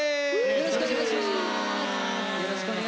よろしくお願いします。